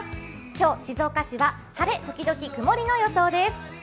今日、静岡市は晴れ時々曇りの予想です。